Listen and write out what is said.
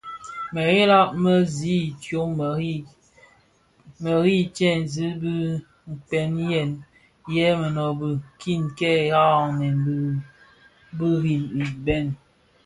Meghela mě zi idyom meri teesèn dhikpegmen yè menőbökin kè ghaghalen birimbi bhëñ,